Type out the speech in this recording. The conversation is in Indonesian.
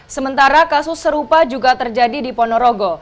sementara kasus serupa juga terjadi di ponorogo